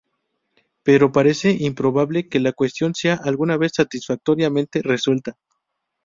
Pero parece improbable que la cuestión sea alguna vez satisfactoriamente resuelta.